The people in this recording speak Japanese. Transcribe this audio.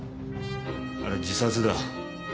あれは自殺だ。